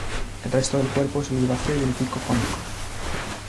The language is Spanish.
El resto del cuerpo es oliváceo y el pico cónico.